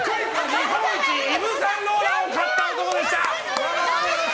日本一イヴ・サンローランを買った男！でした。